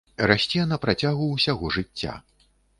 Расце на працягу ўсяго жыцця.